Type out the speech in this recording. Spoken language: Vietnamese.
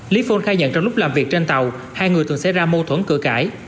lý phôn khai nhận trong lúc làm việc trên tàu hai người từng xảy ra mâu thuẫn cửa cãi